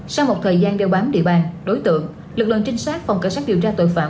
sau một thời gian đeo bám địa bàn đối tượng lực lượng trinh sát phòng cảnh sát điều tra tội phạm